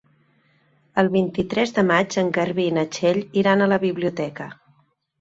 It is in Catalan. El vint-i-tres de maig en Garbí i na Txell iran a la biblioteca.